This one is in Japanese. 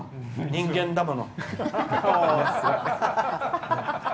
人間だもの。